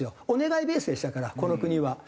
お願いベースでしたからこの国は。